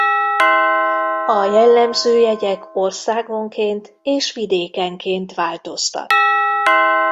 A jellemző jegyek országonként és vidékenként változtak.